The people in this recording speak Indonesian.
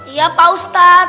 iya pak ustadz